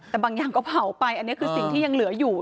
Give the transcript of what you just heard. แต่บางอย่างก็เผาไปอันนี้คือสิ่งที่ยังเหลืออยู่